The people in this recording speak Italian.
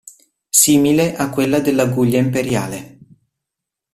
Simile a quella dell'aguglia imperiale.